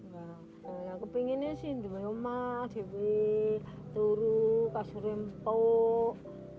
yang kepinginnya sih cuma emak duit turut kasur rempok